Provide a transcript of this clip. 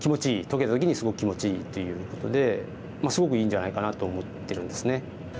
解けた時にすごく気持ちいいということですごくいいんじゃないかなと思ってるんですね。